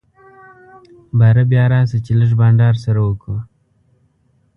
باره بيا راسه چي لږ بانډار سره وکو.